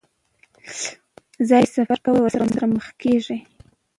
ځای ته سفر کوي، ورسره مخ کېږي.